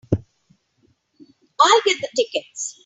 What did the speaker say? I'll get the tickets.